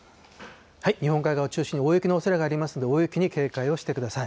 日本海側を中心に大雪のおそれがありますので、大雪に警戒をしてください。